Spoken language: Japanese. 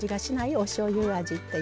おしょうゆ味っていうのが。